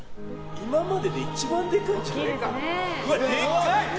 今までで一番でかいんじゃないか。